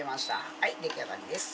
はい出来上がりです。